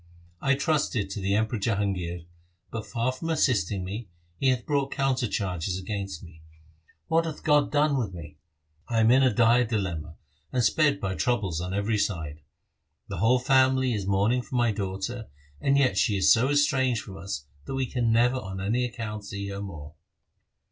I trusted to the Emperor Jahangir, but far from assisting me, he hath brought counter charges against me. What hath God done with me ? I am in a dire dilemma, and sped by troubles on every side. The whole family is mourning for my daughter, and yet she is so estranged from us, that we can never on any account see her more.'